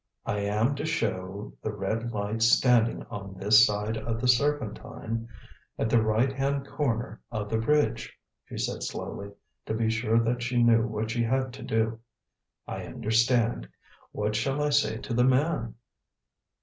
"I am to show the red light standing on this side of the Serpentine at the right hand corner of the bridge," she said slowly, to be sure that she knew what she had to do. "I understand. What shall I say to the man?"